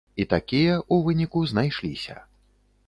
І такія, у выніку, знайшліся.